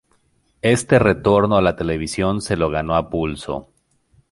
Este retorno a la televisión se lo ganó a pulso.